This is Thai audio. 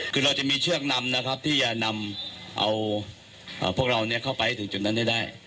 คือเราจะมีเชือกนำที่จะนำเราเข้าไปถึงจุดนั้นน่ะได้